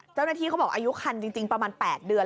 เจ้าหน้าที่เขาบอกอายุคันจริงประมาณ๘เดือน